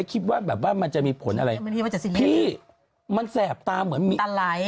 ตรงนั้นชุดฝุ่นอาจจะมีคนแกล้งกับแม่รู้ปะ